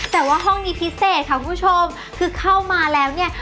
แต่ว่าห้องนี้พิเศษค่ะคุณผู้ชมคือเข้ามาแล้วเนี่ย